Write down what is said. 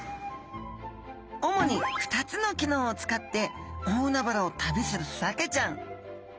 主に２つの機能を使って大海原を旅するサケちゃん。